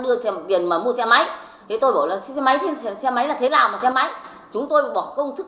đưa xem tiền mà mua xe máy thì tôi bảo là xe máy xe máy là thế nào mà xe máy chúng tôi bỏ công sức